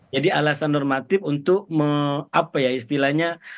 jadi alasan normatif untuk apa ya istilahnya